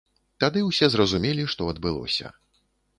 Тады ўсе зразумелі, што адбылося.